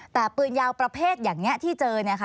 แต่ปืนยาวประเภทอย่างนี้ที่เจอ